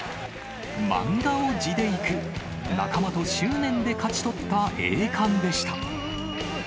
漫画を地で行く、仲間と執念で勝ち取った栄冠でした。